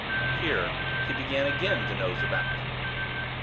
Here, he began again to nose about.